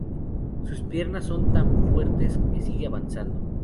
Sus piernas son tan fuertes que sigue avanzando.